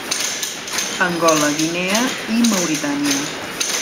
Angola, Guinea i Mauritània.